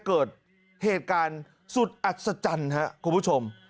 เกิดเหตุการณ์สุดอัศจรรย์ครับคุณผู้ชม